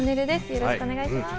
よろしくお願いします。